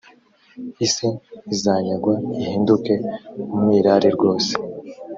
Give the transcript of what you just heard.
isi izanyagwa ihinduke umwirare rwose